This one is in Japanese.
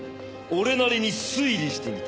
俺なりに推理してみた。